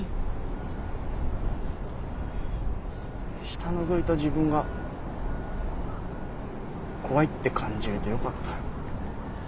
下のぞいた自分が怖いって感じれてよかった。